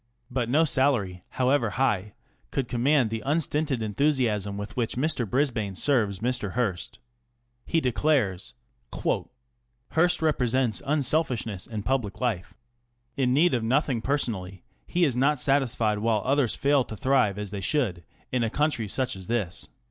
But no salary, however high, could command the unstinted enthusiasm with which Mr. Brisbane serves Mr. Hearst. He declares : ŌĆö Hearst represents unselfishness in public life. In need of nothing personally, he is not satisfied while others fail to thrive as they should in a country such as this.